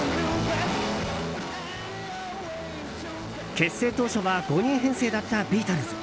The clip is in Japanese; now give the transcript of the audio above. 結成当初は５人編成だったビートルズ。